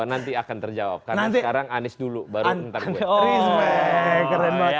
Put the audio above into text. nanti akan terjawab karena sekarang anies dulu baru tentang western